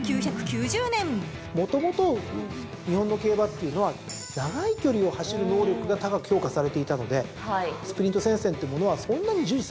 もともと日本の競馬っていうのは長い距離を走る能力が高く評価されていたのでスプリント戦線というものはそんなに重視されていなかったと。